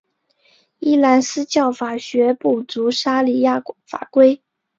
伊斯兰教法学补足沙里亚法规。